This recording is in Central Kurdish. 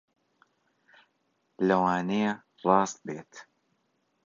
لەوانەیە ڕاست بێت